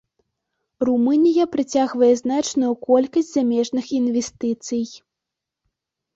Румынія прыцягвае значную колькасць замежных інвестыцый.